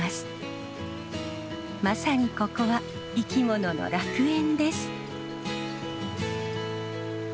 まさにここは生き物の楽園です。